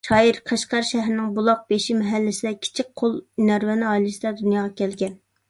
شائىر قەشقەر شەھىرىنىڭ بۇلاقبېشى مەھەللىسىدە كىچىك قول ھۈنەرۋەن ئائىلىسىدە دۇنياغا كەلگەن.